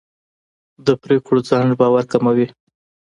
د پرېکړو ځنډ باور کموي